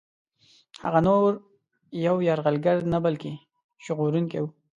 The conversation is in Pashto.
هغه نور یو یرغلګر نه بلکه ژغورونکی وو.